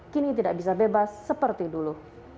kini tidak bisa bebas seperti dulu